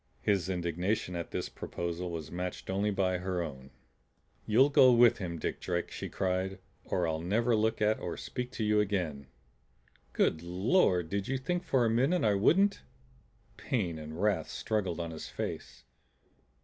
His indignation at this proposal was matched only by her own. "You'll go with him, Dick Drake," she cried, "or I'll never look at or speak to you again!" "Good Lord! Did you think for a minute I wouldn't?" Pain and wrath struggled on his face.